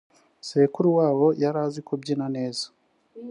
sekuruwabo yarazikubyina neza.